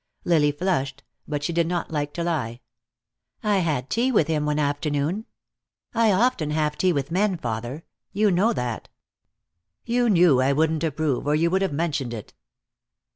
Lily flushed, but she did not like to lie. "I had tea with him one afternoon. I often have tea with men, father. You know that." "You knew I wouldn't approve, or you would have mentioned it."